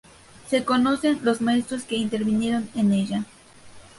Se conocen los maestros que intervinieron en ella.